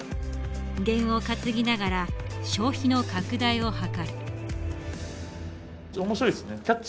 ゲンを担ぎながら消費の拡大を図る。